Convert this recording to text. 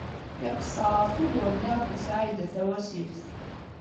Iqeṣṣer ɣef wugur-nni akked Saɛida Tawasift.